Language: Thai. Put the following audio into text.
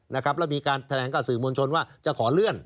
แล้วมีการแถลงกับสื่อมวลชนว่าจะขอเลื่อน